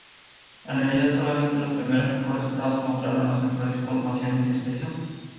En realidad, solamente los primeros cinco resultados mostraron las mejores puntuaciones de expresión.